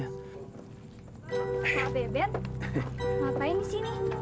kalau bebet ngapain di sini